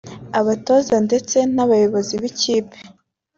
abatoza ndetse n’abayobozi b’ikipe